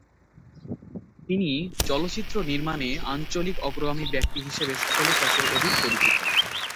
তিনি চলচ্চিত্র নির্মাণে "আঞ্চলিক অগ্রগামী ব্যক্তি" হিসেবে সকলের কাছে অধিক পরিচিত।